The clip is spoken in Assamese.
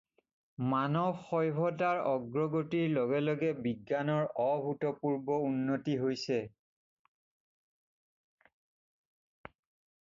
মানৱ সভ্যতাৰ অগ্ৰগতিৰ লগে লগে বিজ্ঞানৰ অভূতপূৰ্ব উন্নতি হৈছে৷